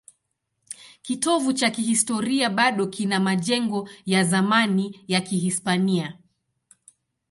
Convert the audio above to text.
Kitovu cha kihistoria bado kina majengo ya zamani ya Kihispania.